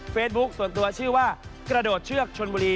ส่วนตัวชื่อว่ากระโดดเชือกชนบุรี